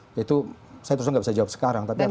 itu saya terus saja tidak bisa jawab sekarang